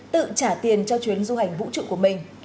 tự trả tiền cho chuyến du hành vũ trụ của mình